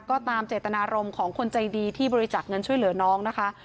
ก็ตามเจตนารมณ์ของคนใจดีที่บริจาคเงินช่วยเหลือน้องนะคะ